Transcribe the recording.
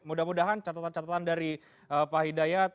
mudah mudahan catatan catatan dari pak hidayat